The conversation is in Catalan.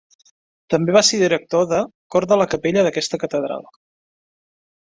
També va ser director de, cor de la capella d'aquesta catedral.